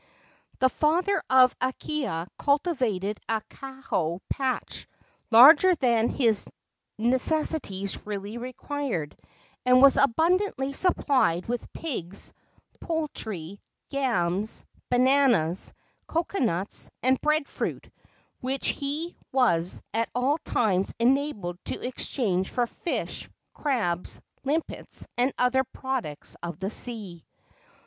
The father of Akahia cultivated a kalo patch larger than his necessities really required, and was abundantly supplied with pigs, poultry, yams, bananas, cocoanuts and breadfruit, which he was at all times enabled to exchange for fish, crabs, limpets and other products of the sea.